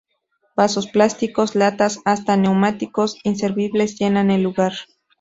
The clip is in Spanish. Vasos plásticos, latas, hasta neumáticos inservibles llenan el lugar.